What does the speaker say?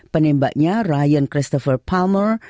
penembaknya ryan christopher palmer